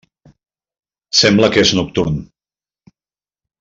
Sembla que és nocturn.